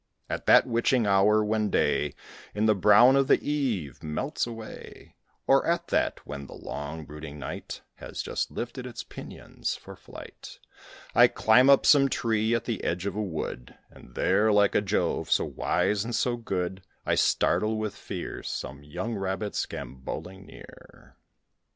At that witching hour when day In the brown of the eve melts away, Or at that when the long brooding night Has just lifted its pinions for flight, I climb up some tree, at the edge of a wood, And there, like a Jove, so wise and so good, I startle with fear Some young Rabbits gambolling near.